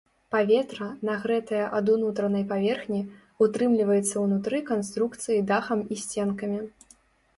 Паветра, нагрэтае ад унутранай паверхні, утрымліваецца ўнутры канструкцыі дахам і сценкамі.